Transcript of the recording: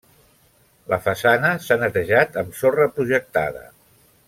La façana s'ha netejat amb sorra projectada.